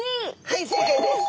はい正解です。